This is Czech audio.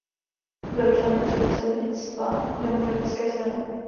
Byl členem předsednictva Demokratické strany.